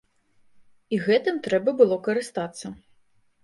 І гэтым трэба было карыстацца.